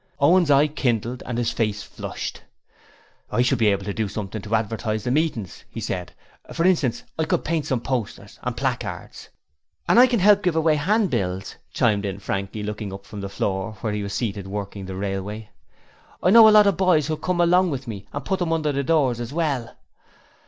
Owen's eye kindled and his pale face flushed. 'I shall be able to do something to advertise the meetings,' he said. For instance, I could paint some posters and placards.' 'And I can help to give away handbills,' chimed in Frankie, looking up from the floor, where he was seated working the railway. 'I know a lot of boys who'll come along with me to put 'em under the doors as well.'